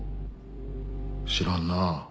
知らんな。